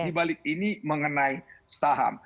di balik ini mengenai saham